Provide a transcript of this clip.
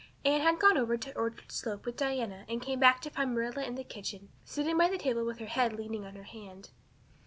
Anne had gone over to Orchard Slope with Diana and came back to find Marilla in the kitchen, sitting by the table with her head leaning on her hand.